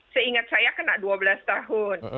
seingat saya kena dua belas tahun